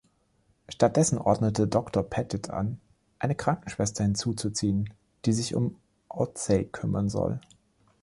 Stattdessen ordnete Doktor Pettit an, eine Krankenschwester hinzuzuziehen, die sich um Ocey kümmern soll.